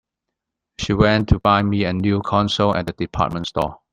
She went to buy me a new console at the department store.